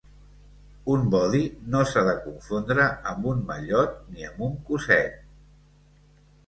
Un bodi no s'ha de confondre amb un mallot ni amb un cosset.